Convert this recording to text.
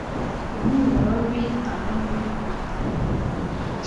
impumuro mbi ntanumwe uyikunda.